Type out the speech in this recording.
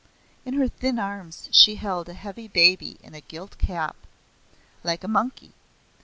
In her thin arms she held a heavy baby in a gilt cap, like a monkey.